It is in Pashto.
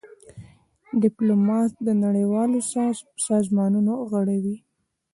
ډيپلومات د نړېوالو سازمانونو غړی وي.